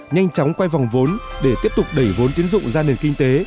nhanh chóng quay vòng vốn để tiếp tục đẩy vốn tiến dụng ra nền kinh tế